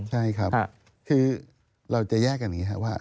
ใช่ครับคือเราจะแยกอย่างนี้ครับว่า